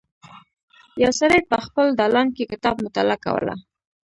یو سړی په خپل دالان کې کتاب مطالعه کوله.